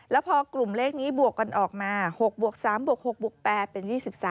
แล้วพอกลุ่มเลขนี้บวกกันออกมา๖บวก๓บวก๖บวก๘เป็น๒๓